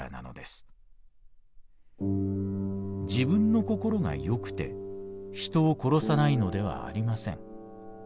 自分の心がよくて人を殺さないのではありません。